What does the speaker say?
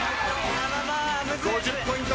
５０ポイント